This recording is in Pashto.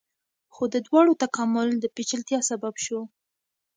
خو د دواړو تکامل د پیچلتیا سبب شو.